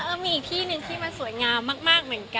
แล้วมีอีกที่นึงที่สวยงามมากอย่างนี้ค่ะ